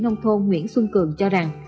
nông thôn nguyễn xuân cường cho rằng